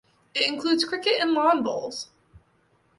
It includes cricket and lawn bowls.